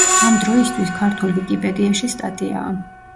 ამ დროისთვის ქართულ ვიკიპედიაში სტატიაა.